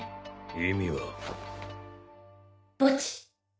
意味は？墓地。